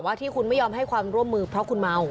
ที่คุณไม่ยอมให้ความร่วมมือเพราะคุณเมา